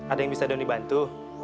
ada yang bisa doni bantu